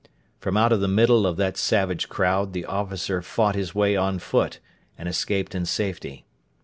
From out of the middle of that savage crowd the officer fought his way on foot and escaped in safety.